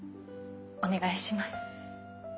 お願いします。